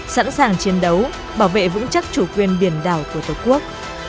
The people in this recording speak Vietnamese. sẵn sàng chiến đấu bảo vệ vững chắc chủ quyền biển đảo của tổ quốc